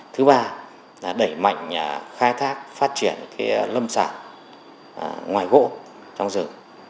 thứ ba là đẩy mạnh khai thác phát triển lâm sản ngoài gỗ trong rừng